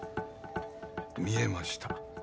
見えました。